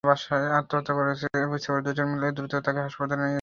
বাসায় আত্মহত্যা করেছেন বুঝতে পেরে দুজন মিলে দ্রুত তাঁকে হাসপাতালে আনেন।